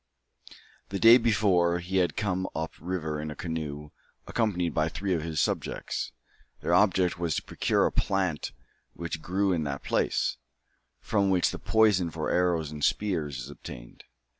The day before, he had come up the river in a canoe, accompanied by three of his subjects. Their object was to procure a plant which grew in that place, from which the poison for arrows and spears is obtained.